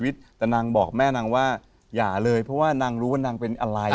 แต่นางบอกแม่นางว่าอย่าเลยเพราะว่านางรู้ว่านางเป็นอะไร